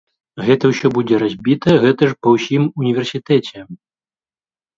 Гэта ўсё будзе разбіта, гэта ж па ўсім універсітэце.